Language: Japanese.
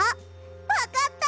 わかった！